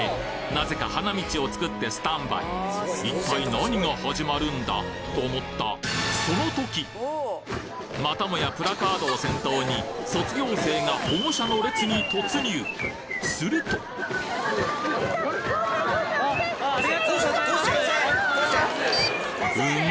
なぜか花道を作ってスタンバイ一体と思ったまたもやプラカードを先頭に卒業生が保護者の列に突入するとうん？